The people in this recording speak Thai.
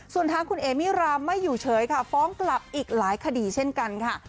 ส่วนทางคุณเอมิรามไม่อยู่เฉยค่ะฟ้องกลับอีกหลายคดีเช่นกันค่ะ